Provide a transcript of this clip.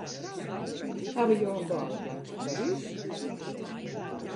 Hawwe jo in bôleplankje foar ús?